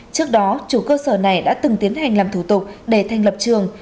trước đó chủ cơ sở này đã từng tiến hành làm thủ tục để thành lập trường